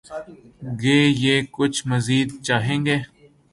گے یا کچھ مزید چاہیں گے؟